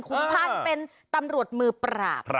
พันธุ์เป็นตำรวจมือปราบ